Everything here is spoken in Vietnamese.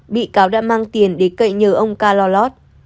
bị cáo đã mang tiền để cậy nhờ ông ca lo lót